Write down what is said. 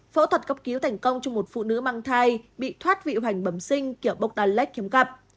phẫu thuật góc cứu thành công cho một phụ nữ mang thai bị thoát vị hành bẩm sinh kiểu bốc đa lét kiếm cặp